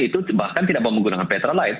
itu bahkan tidak mau menggunakan petra lite